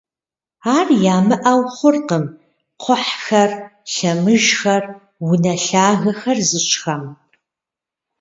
Ар ямыӀэу хъуркъым кхъухьхэр, лъэмыжхэр, унэ лъагэхэр зыщӀхэм.